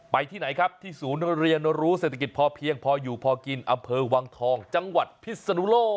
ที่ไหนครับที่ศูนย์เรียนรู้เศรษฐกิจพอเพียงพออยู่พอกินอำเภอวังทองจังหวัดพิศนุโลก